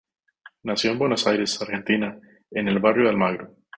Nació en Buenos Aires, Argentina en el barrio de Almagro.